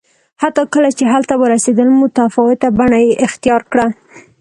حتی کله چې هلته ورسېدل متفاوته بڼه یې اختیار کړه